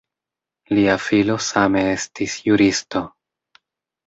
Lia filo same estis juristo.